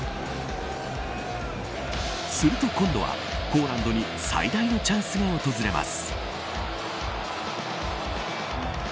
すると今度はポーランドに最大のチャンスが訪れます。